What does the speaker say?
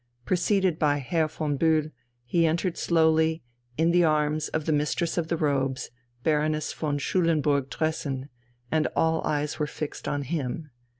Preceded by Herr von Bühl, he entered slowly, in the arms of the Mistress of the Robes, Baroness von Schulenburg Tressen, and all eyes were fixed on him.